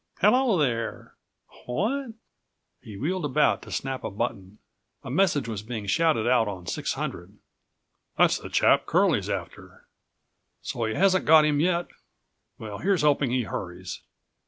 "Hello, there! What—" He wheeled about to snap a button. A message was being shouted out on 600.70 "That's the chap Curlie's after. So he hasn't got him yet? Well, here's hoping he hurries."